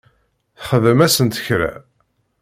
Txdem-asent kra?